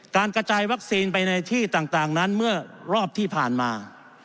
การกระจายวัคซีนไปในที่ต่างนั้นเมื่อรอบที่ผ่านมา